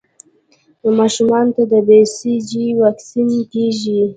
ماشومانو ته د بي سي جي واکسین کېږي.